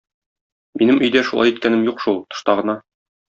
Минем өйдә шулай иткәнем юк шул, тышта гына.